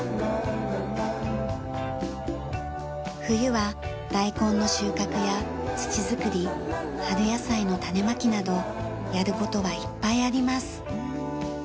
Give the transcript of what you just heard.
冬は大根の収穫や土づくり春野菜の種まきなどやる事はいっぱいあります。